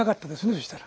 そしたら。